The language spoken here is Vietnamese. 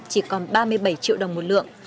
chỉ còn ba mươi bảy triệu đồng một lượng